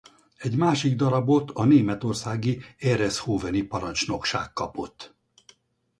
Egy másik darabot a németországi ehreshoveni parancsnokság kapott.